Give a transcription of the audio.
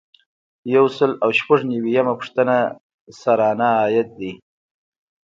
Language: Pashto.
یو سل او شپږ نوي یمه پوښتنه سرانه عاید دی.